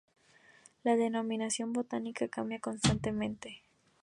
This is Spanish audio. La denominación botánica cambia constantemente.